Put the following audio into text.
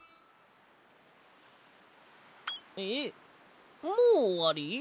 えっもうおわり？